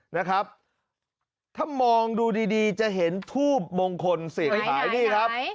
นะครับถ้ามองดูดีจะเห็นทูบมงคลเสียงขายนี่ครับ